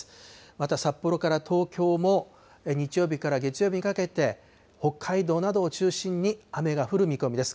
また札幌から東京も日曜日から月曜日にかけて北海道などを中心に、雨が降る見込みです。